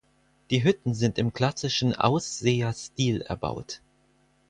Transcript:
Die Hütten sind im klassischen Ausseer Stil erbaut.